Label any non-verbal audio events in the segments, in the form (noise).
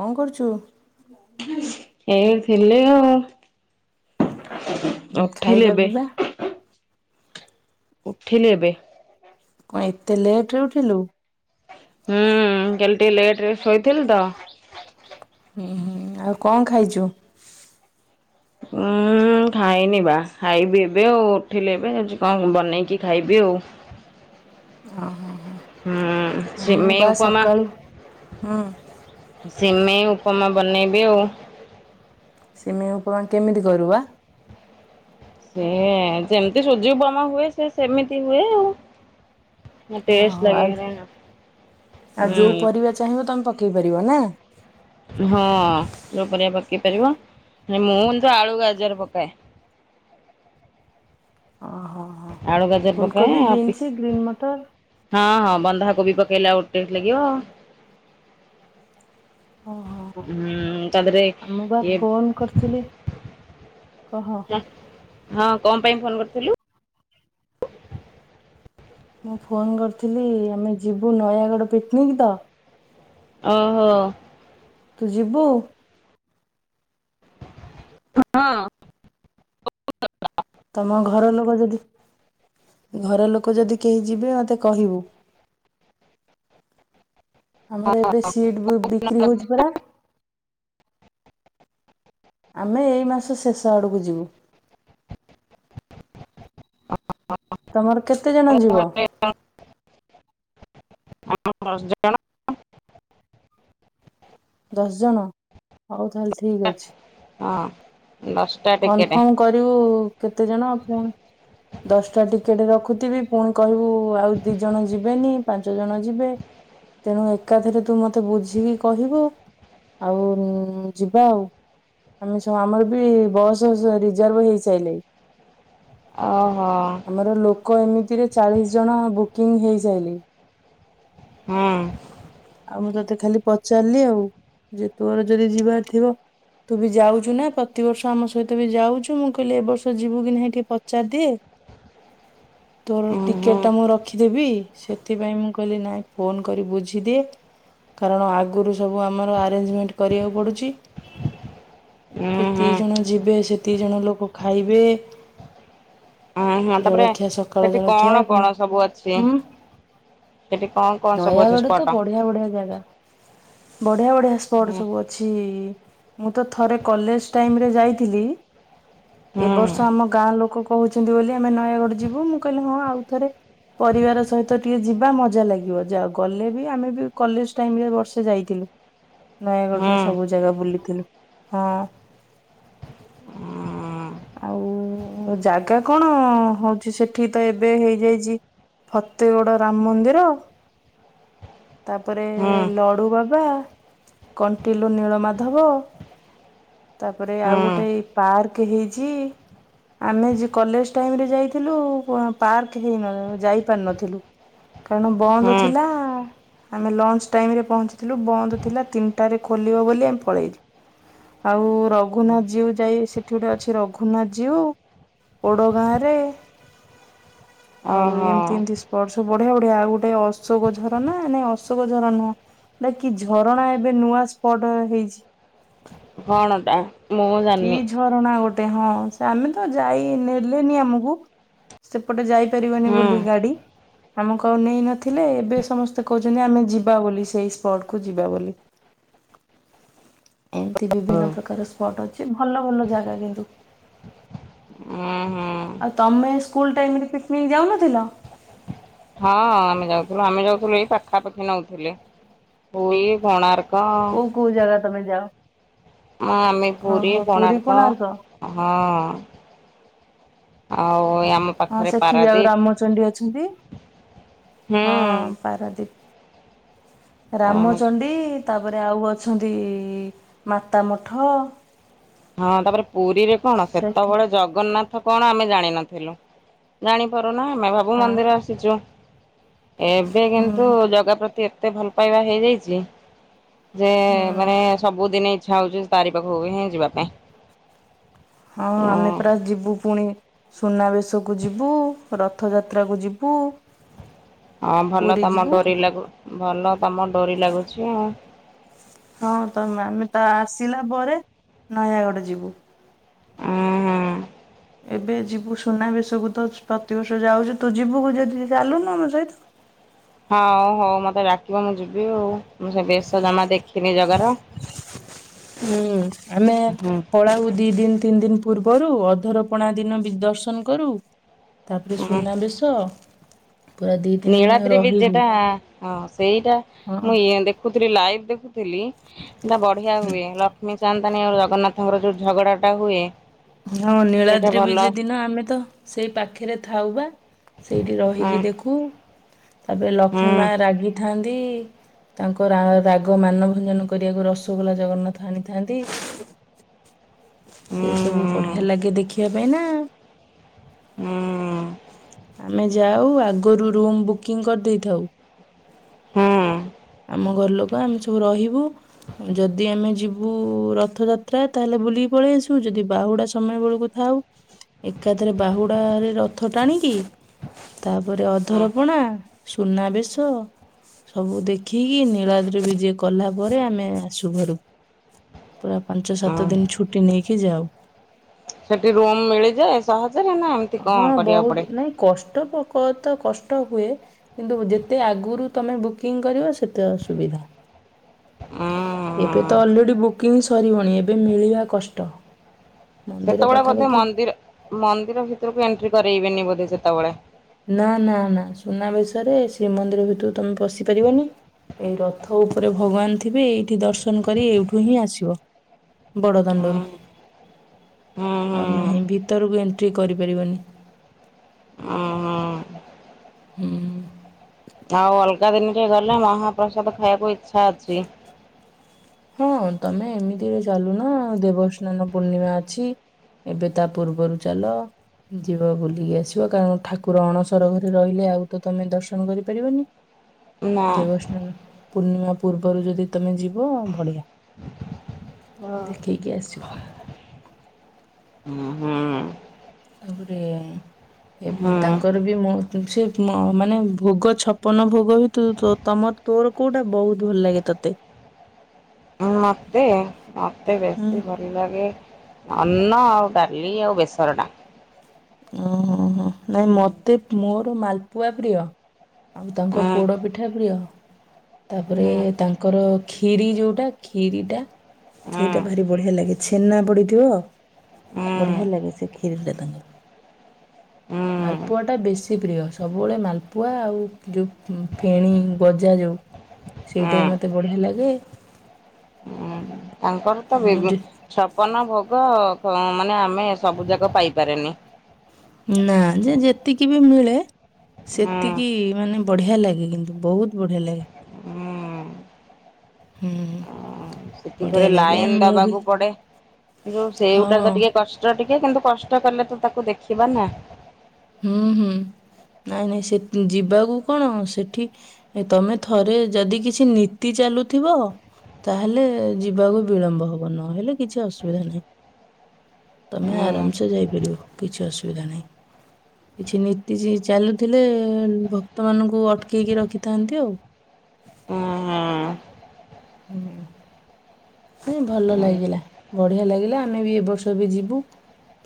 କଣ କରୁଛୁ, ଏଇ ଥିଲେ ଆଉ। ଅଫେଇ ଖାଇବା ଏବେ ପିଇବା ଉଠିଲେ ଏବେ। କଣ ଏତେ ଲେଟରେ ଉଠିଲୁ। ହୁଁ କାଲି ଟିକେ ଲେଟରେ ଶୋଇଥିଲି ତ। ହୁଁ ହୁଁ ଆଉ କଣ ଖାଇଛୁ। ହୁଁ। ଖାଇନି ବା ଖାଇବି ଏବେ ଆଉ ଉଠିଲି ଏବେ ଆ କଣ ବନେଇକି ଖାଇବି ଆଉ। (inaudible) ଓ ହୋ। ହଁ ସେ ମ ଉପ ଉପମା। ସକାଳୁ ହୁଁ ସିମେଇ ଉପମା ବନେଇବି ଆଉ। ସିମି ଉପମା କେମିତି କର। ସେ ଯେମିତି ସୁୂର୍ଯ୍ୟ ବୋମା ହୁଏ ସେ ସେମିତି ହୁଏ ଆଉ। ହଁ ଟେଷ୍ଟ ଲାଗେ ଆଉ ଆଉ ଯୋଉ ହୁଁ ପରିବା ଚାହିଁବ ତମେ ପା ପେଇ ପାରିବ ନା। ହଁ ଯୋଉ ପରିଆ ପକେଇ ପାରିବ। ମୁଁ ତ ଆଳୁ ଗାଜର ପକାଏ। ଓହୋ ହୋ ଆଳୁ ଗାଜର ପକାଏ ଫୁଲକୋବି ଆଉ ପି, ବିନ୍ସ ଗ୍ରୀନ୍ ମଟର ହଁ ହଁ। ବନ୍ଧାକୋବି ପକେଇଲେ ଆଉ ଟେଷ୍ଟ ଲାଗିବ। ଓହୋ। ହଁ ତା ଦେହରେ ଆ ମୁଁ ବା ଇଏ ଫୋନ କରିଥିଲି କହ ହଁ କଣ ପାଇଁ ଫୋନ କରିଥିଲୁ? ମୁଁ ଫୋନ କରିଥିଲି, ଆମେ ଯିବୁ ନୟାଗଡ଼ ପିକନିକ ତ ଓହୋ। ତୁ ଯିବୁ? ହଁ। ତମ ଘର ଲୋକ ଯଦି ଘର ଲୋକ ଯଦି କେହି ଯିବେ ମତେ କହିବୁ। ଆମର ଏବେ ସିଟ୍ ବୁକ୍ ବିକ୍ରି ହଉଛି ପରା। ଆମେ ଏଇ ମାସ ଶେଷ ଆଡକୁ ଯିବୁ। (inaudible) ତମର କେତେ ଜଣ ଯିବ? ହଁ ଆମର ଦଶ ଜଣ। ଦଶ ଜଣ ହଉ ତାହଲେ ଠିକ ଅଛି। ହଁ। ଦଶଟା (inaudible) ଟିକେଟ କନଫର୍ମ କରିବୁ କେତେ ଜଣ ଆ ପୁଣି ଦଶଟା ଟିକେଟ ରଖୁଥିବି ପୁଣି କହିବୁ ଆଉ ଦି ଜଣ ଯିବେନି ପାଞ୍ଚ ଜଣ ଯିବେ? ତେଣୁ ଏକାଥରେ ତୁ ମତେ ବୁଝିକି କହିବୁ? ଆଉ ଯିବା ଆଉ। ଆମେ ସବୁ ଆମର ବି ବସ୍ ରିଜର୍ଭ ହେଇସାଇଲାଣି। ଓହୋ (inaudible) ଆମର ଲୋକ ଏମିତିରେ ଚାଳିଶ ଜଣ ବୁକିଂ ହେଇସାଇଲେ ହୁଁ। ଆଉ ମୁଁ ତତେ ଖାଲି ପଚାରିଲି ଆଉ। ଯେ ତୋର ଯଦି ଯିବାର ଥିବ ତୁ ବି ଯାଉଛୁ ନା ପ୍ରତିବର୍ଷ ଆମ ସହିତ ବି ଯାଉଛୁ, ମୁଁ କହିଲି ଏ ବର୍ଷ ଯିବୁ କି ନାହିଁ ଟିକେ ପଚାରିଦିଏ? ତୋର ଉଁ ହୁଁ ଟିକେଟ୍ ମୁଁ ରଖିଦେବି। ସେଥିପାଇଁ ମୁଁ କହିଲି ନାଇଁ ଫୋନ୍ କରି ବୁଝିଦିଏ। କାରଣ ଆଗରୁ ସବୁ ଆମର ଆରେଞ୍ଜମେଣ୍ଟ କରିବାକୁ ପଡ଼ୁଛି। ଉଁ ଯେତିକି ହୁଁ ଜଣ ଯିବେ ସେତିକି ଜଣ ଲୋକ ଖାଇବେ। ହଁ ହୁଁ ତାପରେ ଜଳଖିଆ ସକାଳ ସେଠି ଜଳଖିଆ କଣ ପୁଣି କଣ ସବୁ ଅଛି? ଉଁ ସେଠି କଣ କଣ ସବୁ ଅଛି ନୟାଗଡ଼ ତ ସ୍ପଟ? ବଢିଆ ବଢିଆ ଜାଗା ବଢିଆ ବଢିଆ ସ୍ପଟ ହୁଁ ସବୁ ଅଛି। ମୁଁ ତ ଥରେ କଲେଜ ଟାଇମରେ ଯାଇଥିଲି। ଏ ହୁଁ ବର୍ଷ ଆମ ଗାଁ ଲୋକ କହୁଛନ୍ତି ବୋଲି। ଆମେ ନୟାଗଡ ଯିବୁ, ମୁଁ କହିଲି ହଁ ଆଉ ଥରେ ପରିବାର ସହିତ ଟିକେ ଯିବା ମଜା ଲାଗିବ ଯାଉ ଗଲେ ବି ଆମେ କଲେଜ ଟାଇମରେ ବର୍ଷେ ଯାଇଥିଲୁ। ହୁଁ। ହୁଁ ନୟାଗଡ଼ରୁ ସବୁ ଜାଗା ବୁଲିଥିଲୁ। ହଁ। ହଁ। ଆଉ ଜାଗା କଣ ହଉଛି ସେଠି ତ ଏବେ ହେଇଯାଇଛି। ଫତେଗଡ଼ ରାମ ମନ୍ଦିର। ତାପରେ ହୁଁ ଲଡ଼ୁ ବାବା, କଣ୍ଟିଲନୀଳମାଧବ। ତାପରେ ହୁଁ ଆଉ ଗୋଟେ ପାର୍କ ହେଇଛି। ଆମେ କଲେଜ ଟାଇମରେ ଯାଇଥିଲୁ। ପାର୍କ ହେ ଯାଇପାରିନଥିଲୁ। କାରଣ ବନ୍ଦ ହୁଁ ଥିଲା। ଆମେ ଲଞ୍ଚ ଟାଇମରେ ପହଞ୍ଚିଥିଲୁ ବନ୍ଦ ଥିଲା। ତିନିଟାରେ ଖୋଲିବ ବୋଲି ଆମେ ପଳେଇଲୁ। ଆଉ ରଘୁନାଥ ଜୀଉ ଯାଇ ସେଠି ଗୋଟେ ଅଛି ରଘୁନାଥ ଜୀଉ। ଓଡ ଗାଁ ରେ (inaudible) ଆଉ ଓହୋ ଏମତି ଏମତି ସ୍ପଟ ସବୁ ବଢିଆ ବଢିଆ ଆଉ ଗୋଟେ ଅଶୋକ ଝରଣା ନାଇଁ ଅଶୋକ ଝରଣା ନୁହଁ। ନା କିି ଝରଣା ଏବେ ନୂଆ ସ୍ପଟ ହେଇଛି। କଣ ଟା? କି ଝରଣା ଗୋଟେ? ହଁ ସେ ଆମେ ତ ଯାଇ ନେଲେନି ଆମକୁ ସେପଟେ ଯାଇ ପାରିବନି ହୁଁ। ବୋଲିୁ ଗାଡି। ଆମକୁ ଆଉ ନେଇ ନଥିଲେ ଏବେ ସମସ୍ତେ କହୁଛନ୍ତି। ଆମେ ଯିବା ବୋଲି ସେଇ ସ୍ପଟ କୁ ଯିବା ବୋଲି। ଏମିତି ହଁ। ବିଭିନ୍ନ ପ୍ରକାର ସ୍ପଟ୍ ଅଛି। ସେ ଭଲ ଭଲ ଜାଗା କିନ୍ତୁ। ଉଁ ହୁଁ (inaudible) ଆଉ ତମେ ସ୍କୁଲ ଟାଇମରେ ପିକନିକ ଯାଉନଥିଲ। ହଁ ଆମେ ଯାଉଥିଲୁ ଆମେ ଯାଉଥିଲୁ ଏଇ ପାଖାପାଖି ନଉଥିଲେ ହଇ ବଣାର୍ କଉ କଉ ଜାଗା ତମେ ଯଅ। ହଁ ଆମେ ପୁରୀ କୋଣାର୍କ ହଁ। ଆଉ ଆମ ହଁ ପାଖରେ ସେଠି ବି ଆଉ ପାରାଦୀପ। ରାମଚଣ୍ଡୀ ଅଛନ୍ତି। ହୁଁ। ହଁ ପାରାଦୀପ। ରାମ ଆମେ ଚଣ୍ଡୀ ତାପରେ ଆଉ ଅଛନ୍ତି ମାତାମଠ। ହଁ ତାପରେ ପୁରୀରେ କଣ ସେତେବେଳେ ଜଗନ୍ନାଥ କଣ ଆମେ ଜାଣିନଥିଲୁ ଜାଣିପାରୁନା ଆମେ ଭାବୁ ହଁ ମନ୍ଦିର ଆସିଛୁ। ଏବେ ହୁଁ କିନ୍ତୁ ଜଗା ପ୍ରତି ଏତେ ଭଲ ପାଇବା ହେଇଯାଇଛି। ଯେ ହୁଁ ମାନେ ସବୁଦିନେ ଇଚ୍ଛା ହଉଛି ତାରି ପାଖକୁ ହିଁ ଯିବା ପାଇଁ। ହଁ ଆମେ ପୁରା ଯିବୁ ପୁଣି ସୁନାବେଶକୁ ଯିବୁ ରଥଯାତ୍ରାକୁ ଯିବୁ। ହଁ ଭଲ ପୁରୀ ତମ ଯିବୁ ଡୋରି ଲାଗୁ ଭଲ ତମ ଡୋରି ଲାଗୁଛି ଆଉ। ହଁ ତମ ଆମେ ତ ଆସିଲା ପରେ ନୟାଗଡ ଯିବୁ। ହୁଁ ହୁଁ। ଏବେ ଯିବୁ ସୁନାବେେଶକୁୁ ତ ପ୍ରତିବର୍ଷ ଯାଉଛୁ ତୁ ଯିବୁ ଯଦି ଚାଲୁନୁ ଆମ ସହିତ। ହଁ ହଉ ମତେ ଡାକିବ ମୁଁ ଯିବି ଆଉ ମୁ ସେ ବେଶ ଜମା ଦେଖି ତିନି ଜାଗ ର। ହୁଁ ଆମେ ପଳାଉ ଦି ଦିନ ତିନି ଦିନ ପୂର୍ବରୁ। ଅଧରପଣା ଦିନ ଦର୍ଶନ କରୁ ତାପରେ ସୁନା ବେଶ ନୀଳଦ୍ରି ବି ଯେଟା ହଁ ସେଇଟା ହଁ ମୁଁ ଇଏ ଦେଖୁି ଲାଇଭ ଦେ ଥିଲି ସେଟା ବଢିଆ ହୁଏ ଲକ୍ଷ୍ମୀ ଚାନ୍ଦଣୀ ଆଉ ଜଗନ୍ନାଥଙ୍କର ଯୋଉ ଝଗଡା ଟା ହୁଏ। ହଁ ସେଇଟା ନୀଳାଦ୍ରି ଭଲ ବିଜେ ଦିନ ଆମେ ତ ସେଇ ପାଖରେ ଥାଉ ବା। ସେଇଠି ହୁଁ ରହିକି ଦେଖୁ। ତାପରେ ହୁଁ ଲକ୍ଷ୍ମୀ ମା ରାଗିଥାନ୍ତି। ତାଙ୍କ ରାଗ ମାନଭଞ୍ଜନ କରିବାକୁ ରସଗୋଲା ଜଗନ୍ନାଥ ଆଣିଥାନ୍ତି। (inaudible) ସେ ହୁଁ ସବୁ ବଢିଆ ଲାଗେ ଦେଖିବା ପାଇଁ ନା। ହୁଁ ଆମେ ଯାଉ ଆଗରୁ ରୁମ୍ ବୁକିଂ କରିଦେଇଥାଉ। ହୁଁ। ଆମ ଘର ଲୋକ ଆମେ ସବୁ ରହିବୁ। ଯଦି ଆମେ ଯିବୁ ରଥଯାତ୍ରା ତାହେଲେ ବୁଲିକି ପଳେଇ ଆସିବୁ ଯଦି ବାହୁଡା ସମୟ ବେଳକୁ ଥାଏ। ହଁ। ଏକାଥରେ ବାହୁଡାରେରେ ରଥ ଟାଣିକି ତାପରେ ହଁ ଅଧରପଣା ସୁନାବେେଶ ସବୁ ଦେଖି ଦେଖିକି ନୀଳାଦ୍ର ବିଜେ କଲା ପରେ ଆମେ ଆସୁ ଘାରୁ। ପୁରା ପାଞ୍ଚ ସାତ ହଁ। ଦିନ ଛୁଟି ନେଇକି ଯାଉ। ସେଠି ରୁମ୍ ମିଳିଳେଯାଏ ସାହାଜ ହଁ ବହୁତ ନାଇଁ କଷ୍ଟ। କ ତ କଷ୍ଟ ହୁଏ କିନ୍ତୁ ଯେତେ ଆଗରୁ ତମେ ବୁକିଂ କରିବ ସେତେ ଅସୁବିଧା। (inaudible) ଏବେ ତ ଅଲରେଡି ବୁକିଂ ସରିବଣି ଏବେ ମିଳିବା କଷ୍ଟ। ମନ୍ଦିର ସେତେବେଳେ ବୋଧେ ପାଖାପାଖି ମନ୍ଦିର ମନ୍ଦିର ଭିତରକୁ ଏଣ୍ଟ୍ରି କରେଇବେନି ବୋଧେ ସେତେବେଳେ। ନା ନା ନା ସୁନାବେଶରେ ଶ୍ରୀମନ୍ଦିର ଭିତରୁ ତମେ ପଶି ପାରିବନି। ଏଇ ରଥ ଉପରେ ଭଗବାନ ଥିବେ ଏଇଠି ଦର୍ଶନ କରି ଏଇଠୁ ହିଁ ଆସିବ। ହୁଁ ବଡ଼ଦାଣ୍ଡରୁ। ହୁଁ ହୁଁ। ଆଉ ନାହିଁ ଭିତରକୁ ଏଣ୍ଟ୍ରି କରିପାରିବନି। ଉଁ ହୁଁ ହୁଁ। ଆଉ ଅଲଗା ଦିନ ରେ ଗଲେ ମହାପ୍ରସାଦ ଖାଇବାକୁ ଇଚ୍ଛା ଅଛି ହଁ ତମେ ଏମିତିରେ ଚାଲୁନ ଦେବସ୍ନାନ ପୂର୍ଣ୍ଣିମା ଅଛି ଏବେ ତା ପୂର୍ବରୁ ଚାଲ ଯିବା ବୁଲିକି ଆସିବ କାରଣ ଠାକୁର ଅଣସର ଘରେ ରହିଲେ ଆଉ ତ ତମେ ଦର୍ଶନ କରିପାରିବନି। ନା। ଦେବସ୍ନାନ ପୂର୍ଣ୍ଣିମା ପୂର୍ବରୁ ଯଦି ତମେ ଯିବ ହଁ। (unintelligible) ଦେଖେଇକି ଆସିବ ହୁଁ ତାପରେ ହୁଁ ତାଙ୍କର ବି ମ ସେ ମାନେ ଭୋଗ ଛପନ ଭୋଗ ବି ତମ ତୋର କୋଉଟା ବହୁତ ଭଲ ଲାଗେ ତତେ? ମତେ ମତେ ହୁଁ ବେଶୀ ଭଲ ଲାଗେ ଅନ୍ନ ଆଉ ଡାଲି ଆଉ ବେସର ଟା। ଓ ହୋ ନାଇଁ ମତେ ମୋର ମାଲପୁଆ ପ୍ରିୟ। ଆଉ ତାଙ୍କ ହୁଁ ପୋଡ଼ ପିଠା ପ୍ରିୟ ତାପରେ ହୁଁ ତାଙ୍କର ଖିରି ଯୋଉଟା ଖିରି ଟା ହୁଁ ସେଇଟା ଭାରି ବଢି଼ଆ ଲାଗେ ଛେନା ପଡିଥିବ ହୁଁ ବଢିଆ ଲାଗେ ସେ କ୍ଷୀରି ରେ ତାଙ୍କର। (unintelligible) ମାଲପୁଆ ଟା ବେଶୀ ପ୍ରିୟ ସବୁବେଳେ ମାଲପୁଆ ଆଉ ଯୋଉ ଫେଣି ଗଜା ସେଇଟା ହୁଁ। ହ ମତେ ବଢିଆ ଲାଗେ। ହୁଁ ତାଙ୍କର ତ ମୁଁ ବି ଯେ ଛପନ ଭୋଗ। ହ ମାନେ ଆମେ ସବୁ ଯାକ ପାଇପାରେନି। ନା ଯେ ଯେତିକି ବି ମିଳେ ହୁଁ ସେତିକିମାନେ ବଢି଼ଆ ଲାଗେ କିନ୍ତୁ ବହୁତ ବଢି଼ଆ ଲାଗେ। ହୁଁ ହୁଁ। ସେଥିପରେ ବଢିଆ ଲାଗେ ଲାଇନ ମୁଁ ବି ଦବାକୁ ପଡେ଼ ଯୋଉ ସେଇଗଟା ହଁ ତ ଟିକେ କଷ୍ଟ ଟିକେ କିନ୍ତୁ କଷ୍ଟ କଲେ ତୁ ତାକୁ ଦେଖିବା ନା। ହୁଁ ହୁଁ। ନାଇଁ ନାଇଁ ସେ ଯିବାକୁ କଣ ସେଠି ତମେ ଥରେ ଯଦି କିଛି ନୀତି ଚା ଚାଲୁଥିବ ତାହେଲେ ଯିବାକୁ ବିଳମ୍ବ ହବ ନହେଲେ କିଛି ଅସୁବିଧା ନାହିଁ। ତମେ ଉଁ ଆରାମସେ ଯାଇପାରିବ କିଛି ଅସୁବିଧା ନାହିଁ। କିଛି ନୀତି ଚାଲୁଥିଲେ ଭକ୍ତ ମାନଙ୍କୁ ଅଟକେଇକି ରଖିଥାନ୍ତି ଆଉ ହଁ ହଁ। ହୁଁ। ହ ଭଲ ଲାଗିଲା ହୁଁ ବଢି଼ଆ ଲାଗିଲା ଆମେ ବି ଏବ ବର୍ଷ ବି ଯିବୁ।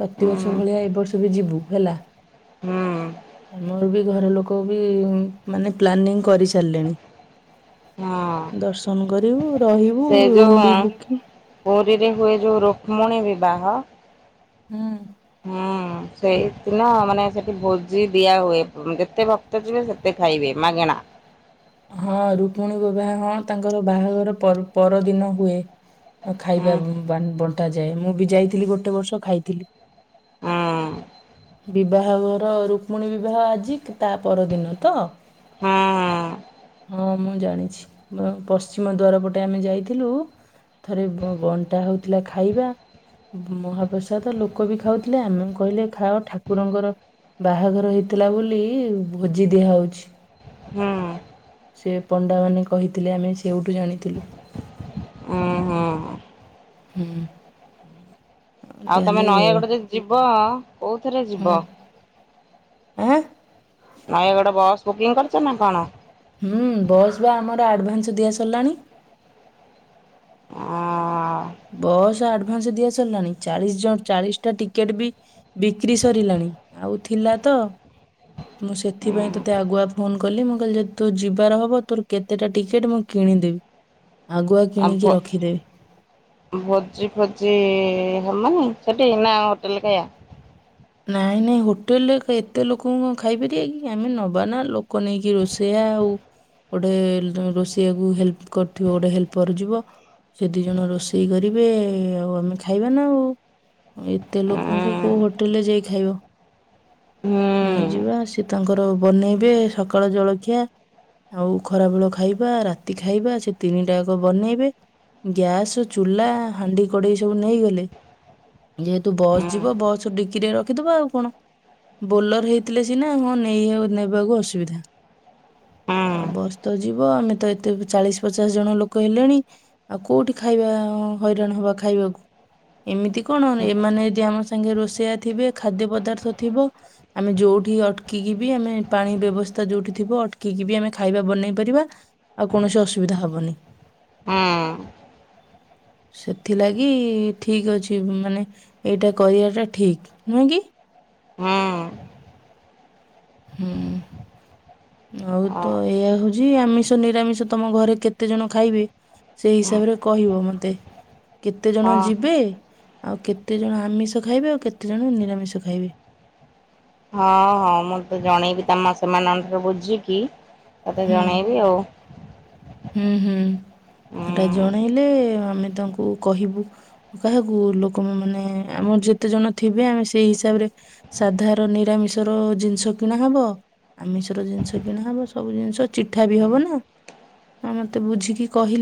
ପ୍ରତିବର୍ଷ ଭଳିଆ ଏ ବର୍ଷ ବି ଯିବୁ ହେଲା। ହୁଁ ଆମର ବି ଘର ଲୋକ ବି ମାନେ ପ୍ଲାନିଂ କରିସାରିଲେଣି। ହଁ। ଦର୍ଶନ କରିବୁ ରହିବୁ ସେ ଯୋଉ ରୁମ ବ (unintelligible) ପୁରୀରେ ହୁଏ ଯେଉଁ ରୁକ୍ମଣୀ ବିବାହ ହୁଁ। ହଁ। ହଁ ସେଇଦିନ ମାନେ ସେଠି ଭୋଜି ଦିଆହୁଏ। ଯେତେ ଭକ୍ତ ଯିବେ ସେତେ ଖାଇବେ ମା (inaudible) ହଁ ରୁକ୍ମଣୀ ବିବାହ ତାଙ୍କର ବାହାଘର ପର ପରଦିନ ହୁଏ। ଖାଇବା ଆଉ ବଣ୍ଟା ଯାଏ ମୁଁ ବି ଯାଇଥିଲି ଗୋଟେ ବର୍ଷ ଖାଇଥିଲି। ବିବାହ ଘର ରୁକ୍ମଣୀ ବିବାହ ଆଜି ତା ପରଦିନ ତ ହଁଁ ହଁ ମୁଁ ଜାଣିଛି ପଶ୍ଚିମ ଦ୍ୱାର ପଟେ ଆମେ ଯାଇଥିଲୁ ଥରେ ବ ବଣ୍ଟା ହୋଉଥିଲା ଖାଇବା ମହାପ୍ରସାଦ ଲୋକ ବି ଖାଉଥିଲେ ଆମେ କହିଲେ ଖାଅ ଠାକୁରଙ୍କର ବାହାଘର ହେଇଥିଲା ବୋଲି ଭୋଜି ଦିଆହଉଛି। ହୁଁ। ସେ ପଣ୍ଡାମାନେ କହିଥିଲେ ଆମେ ସେଉଠୁ ଜାଣିଥିଲୁ। ହୁଁ। ଆଉ ତମେ ତାହେଲେ ନୟାଗଡ ଯଦି ଯିବ କୋଉଥିରେ ହଁ ଯିବ। ଆଁ ନୟାଗଡ଼ ବସ୍ ବୁକିଂ କରିଛ ନାଁ କଣ? ହୁଁ ବସ୍ ବା ଆମର ଆଡ୍ ଭାନ୍ସ୍, ଦିଆ ସରିଲାଣି। ଆ ବସ୍ ଆଡ୍ ଭାନସ୍, ଦିଆ ସରିଲାଣି ଚାଳିସ୍ ଜ ଚାଳିସ୍ ଟା ଟିକେଟ୍ ବି ବିକ୍ରି ସରିଲାଣି ଆଉ ଥିଲା ତ ମୁଁ ସେଥିପାଇଁ ତୋତେ ଆଗୁଆ ଫୋନ କଲି ମୁଁ କହିଲି ଯେ ତୋ ଯିବାର ହବ ତୋର କେତେ ଟା ଟିକେଟ ମୁଁ ଫୁ କିଣିଦେବି ଆଗୁଆ କିଣିକି ଭୋ ରଖିଦେବି। ଭୋଜି, ଫୋଜି ହବ ନାଁ ସେଠି ନାଁ ହୋଟେଲ୍ ରେ ଖାଇବା। ନାଇଁ ନାଇଁ ହୋଟେଲ୍ ରେ ଏତେ ଲୋକଙ୍କୁ ଖାଇପରିବାକି, ଆମେ ନବା ନାଁ ଲୋକ ନେଇକି ରୋସେୟା ଆଉ ଗୋଟେ ରୋଷେଇଆକୁ ହେଲ୍ପ କରିଥିବ ଗୋଟେ ହେଲ୍ପର ଯିବ। ସେ ଦି ଜଣ ରୋଷେଇ କରିବେ ଆଉ ଆମେ ଖାଇବା ନା ଆଉ। ଏତେ ଲୋକଙ୍କୁ କୋଉ ହୋଟେଲ୍ ରେ ଯାଇ ଖାଇବ। ହଁ ନେଇଯିବା ସି ତାଙ୍କର ବନେଇବେ ସକାଳ ଜଳଖିଆ ଆଉ ଖରାବେଳ ଖାଇବା ରାତି ଖାଇବା ସେ ତିନିଟାକ ବନେଇବେ ଗ୍ୟାସ୍ ଚୁଲା ହାଣ୍ଡି କଡ଼େଇ ସବୁ ନେଇଗଲେ ଯେହେତୁ ବସ୍ ଯିବ ବସ୍ ଡିକିରେ ରଖିଦବ ଆଉ କଣ। ବୋଲର ହେଇଥିଲେ ସିନା ହଁ ନେଇ ନେବାକୁ ଅସୁବିଧା। ହୁଁ। ଆଉ ବସ୍ ତ ଯିବ ଆମେ ତ ଏତେ ଚାଳିଶ, ପଚାଶ ଜଣ ଲୋକ ହେଲେଣି ଆଉ କୋଉଠି ଖାଇବା ହଇରାଣ ହବା ଖାଇବାକୁ। ଏମିତି କଣ ଏମାନେ ଯଦି ଆମ ସାଙ୍ଗେ ରୋଷେଇଆ ଥିବେ ଖାଦ୍ୟ ପଦାର୍ଥ ଥିବ ଆମେ ଯୋଉଠି ଅଟକିକି ବି ଆମେ ପାଣି ବ୍ୟବସ୍ଥା ଯୋଉଠି ଥିବ ଅଟକିକି ବି ଆମେ ଖାଇବା ବନେଇ ପାରିବ ଆଉ କୌଣସି ଅସୁବିଧା ହବନି। ହୁଁ। ସେଥିଲାଗି ଠିକ୍ ଅଛି। ମାନେ ଏଇଟା କରିବାଟା ଠିକ୍ ନୁହେଁକି। ହଁ। ହୁଁ ଆଉ ତ ଏଇଆ ହଉଛି ଆମିଷ ନିରାମିଷ ତମ ଘରେ କେତେ ଜଣ ଖାଇବେ? ସେଇ ହିସାବରେ କହିବ ମତେ କେତେ ଜଣ ଯିବେ ଆଉ କେତେଜଣ ଆମିଷ ଖାଇବେ ଆଉ କେତେଜଣ ନିରାମିଷ ଖାଇବେ? ହଁ ହଁ ମୁଁ ତ ଜଣେଇବି ତମ ସେମାନ ଅନୁସାରେ ବୁଝିକି ତତେ ହୁଁ ଜଣେଇବି ଆଉ। ହୁଁ ହୁଁ। ସେଟା ଜଣେଇଲେ ଆମେ ତାଙ୍କୁ କହିବୁ କାହାକୁ ଲୋକ ମାନେ ଆମର ଯେତେ ଜଣ ଥିବେ ଆମେ ସେଇ ହିସାବରେ ସାଧାର ନିରାମିଷର ଜିନିଷ କିଣା ହବ। ଆମିଷର ଜିନିଷ କିଣାହବ ସବୁ ଜିନିଷ ଚିଠା ବି ହବ ନା ହଁ ମତେ ବୁଝିକି କହିଲ୍।